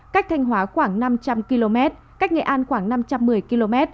cách thanh hóa khoảng năm trăm linh km cách nghệ an khoảng năm trăm một mươi km